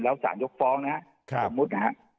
แล้วสารยกฟ้องนะครับสมมุตินะฮะ